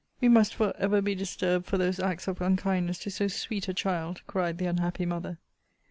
We must for ever be disturbed for those acts of unkindness to so sweet a child, cried the unhappy mother!